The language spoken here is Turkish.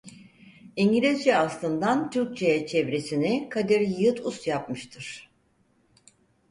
İngilizce aslından Türkçeye çevirisini Kadir Yiğit Us yapmıştır.